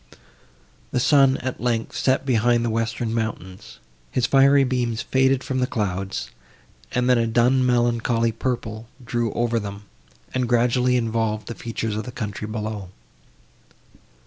The sun, at length, set behind the western mountains; his fiery beams faded from the clouds, and then a dun melancholy purple drew over them, and gradually involved the features of the country below.